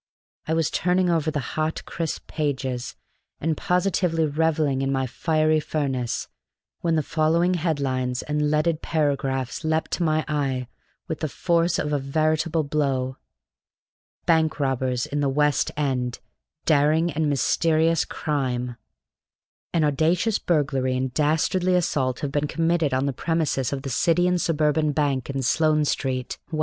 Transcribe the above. I was turning over the hot, crisp pages, and positively revelling in my fiery furnace, when the following headlines and leaded paragraphs leapt to my eye with the force of a veritable blow: BANK ROBBERS IN THE WEST END DARING AND MYSTERIOUS CRIME An audacious burglary and dastardly assault have been committed on the premises of the City and Suburban Bank in Sloane Street, W.